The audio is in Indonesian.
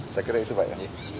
saya kira itu pak ya